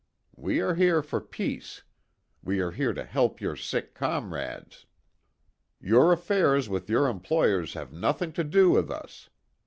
We are here for peace. We are here to help your sick comrades. Your affairs with your employers have nothing to do with us.